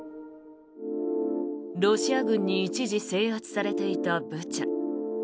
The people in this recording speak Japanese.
ロシア軍に一時制圧されていたブチャ。